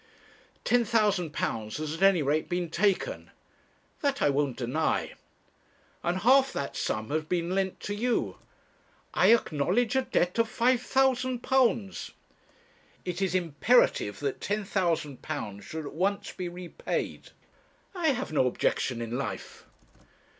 'Ten thousand pounds has at any rate been taken.' 'That I won't deny.' 'And half that sum has been lent to you.' 'I acknowledge a debt of £5,000.' 'It is imperative that £10,000 should at once be repaid.' 'I have no objection in life.'